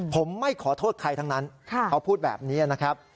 ผมไม่ขอโทษใครทั้งนั้นเขาพูดแบบนี้นะครับ